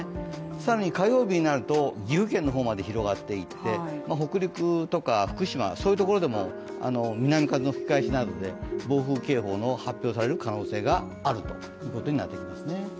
更に火曜日になると岐阜県の方まで広がっていって北陸とか福島、そういうところでも南風の吹き返しなどで暴風警報が発表される可能性があるということになりますね。